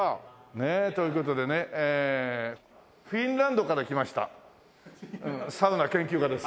ねえという事でねえフィンランドから来ましたサウナ研究家です。